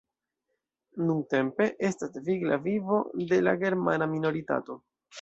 Nuntempe estas vigla vivo de la germana minoritato.